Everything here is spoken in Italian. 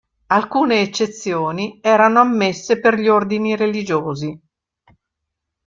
Alcune eccezioni erano ammesse per gli ordini religiosi.